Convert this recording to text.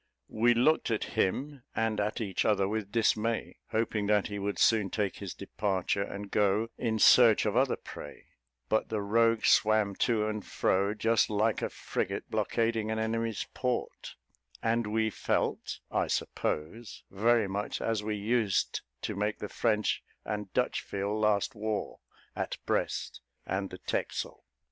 We looked at him and at each other with dismay, hoping that he would soon take his departure, and go in search of other prey; but the rogue swam to and fro, just like a frigate blockading an enemy's port, and we felt, I suppose, very much as we used to make the French and Dutch feel last war, at Brest and the Texel.